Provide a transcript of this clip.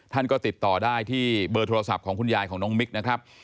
ท่านก็ติดต่อได้ที่เบอร์โทรศัพท์ของคุณยายของน้องมิกนะครับ